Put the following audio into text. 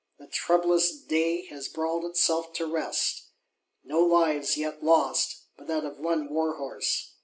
The troublous Day has brawled itself to rest: no lives yet lost but that of one warhorse.